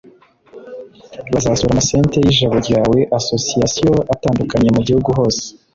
bazasura ama centes ya Ijabo ryawe Association atandukanye mu gihugu hose